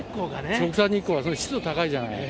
直射日光がね、湿度高いじゃない。